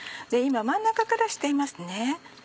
今真ん中からしていますね。